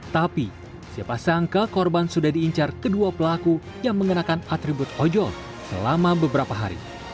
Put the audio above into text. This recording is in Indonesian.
tapi siapa sangka korban sudah diincar kedua pelaku yang mengenakan atribut ojol selama beberapa hari